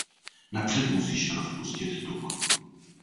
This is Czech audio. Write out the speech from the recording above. Napřed musíš rozpustit tuk.